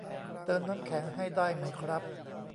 เติมน้ำแข็งให้ได้ไหมครับ